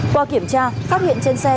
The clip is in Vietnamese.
qua kiểm tra phát hiện trên xe